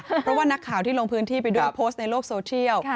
เพราะว่านักข่าวที่ลงพื้นที่ไปด้วยโพสต์ในโลกโซเชียล